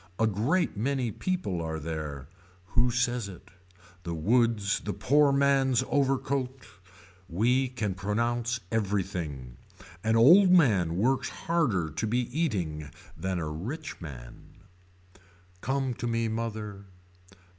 A great many people are there. Who says it. The woods the poor man's overcoat. We can pronounce everything. An old man works harder to be eating than a rich one. Come to me mother.